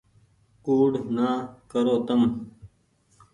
ڪوڙ نآ ڪرو تم ۔